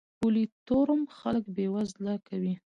پولي تورم خلک بې وزله کوي.